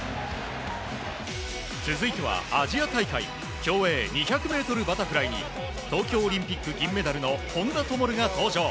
続いては、アジア大会競泳２００ｍバタフライに東京オリンピック銀メダルの本多灯が登場。